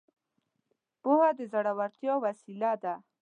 پوهه د زړورتيا وسيله ده.